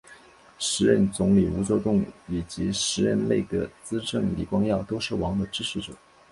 时任总理吴作栋以及时任内阁资政李光耀都是王的支持者。